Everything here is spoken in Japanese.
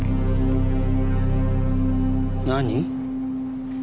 何？